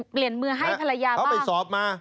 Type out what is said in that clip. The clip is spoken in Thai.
เปลี่ยนมือให้ภรรยาเขาไปสอบมา